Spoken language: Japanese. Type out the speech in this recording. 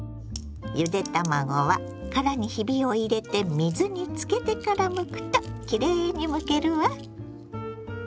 ゆで卵は殻にひびを入れて水につけてからむくときれいにむけるわ。